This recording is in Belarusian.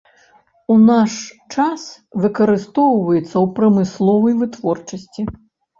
У наш час выкарыстоўваецца ў прамысловай вытворчасці.